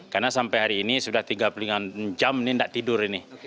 karena sampai hari ini sudah tiga puluh lima jam ini tidak tidur ini